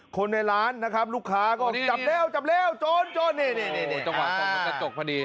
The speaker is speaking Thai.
คนในร้านนะครับลูกค้าก็จับเร็วจับเร็วโจรโจรโจรโจร